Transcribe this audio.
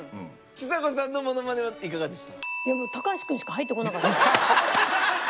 ちさ子さんのモノマネはいかがでした？